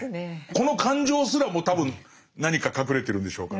この感情すらも多分何か隠れてるんでしょうか。